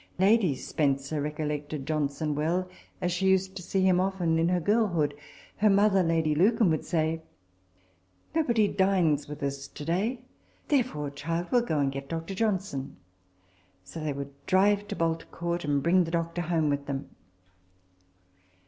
Lady Spencer recollected Johnson well, as she used to see him often in her girlhood. Her mother, Lady Lucan, would say, " Nobody dines with us to day ; therefore, child, we'll go and get Dr. Johnson." So they would drive to Bolt Court, and bring the doctor home with them.